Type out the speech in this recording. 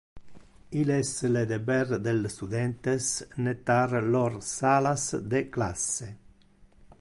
Il es le deber del studentes nettar lor salas de classe.